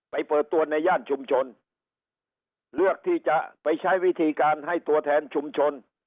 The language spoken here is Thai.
เปิดตัวในย่านชุมชนเลือกที่จะไปใช้วิธีการให้ตัวแทนชุมชน